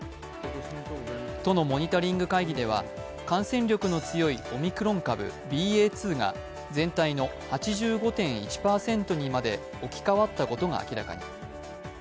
都のモニタリング会議では感染力の強いオミクロン株ＢＡ．２が全体の８５．１％にまで置き換わったことが明らかに。